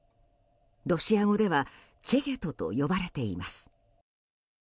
ロシア語ではチェゲトと呼ばれています。